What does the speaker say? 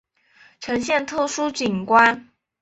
呈现特殊景观